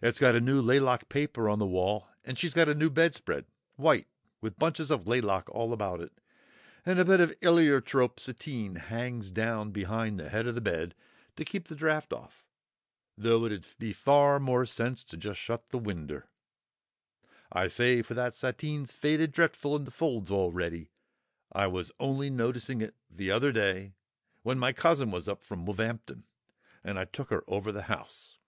It's got a new laylock paper on the wall, and she's got a new bedspread, white, with bunches of laylock all about it, and a bit o' eeliertrope sateen hangs down behind the head of the bed to keep the draught off, though it 'ud be far more sense to shut the winder, I say, for that sateen's faded dretful in the folds already. I was only noticing it th'other day, when my cousin was up from Woolv'ampton, and I took her over the house....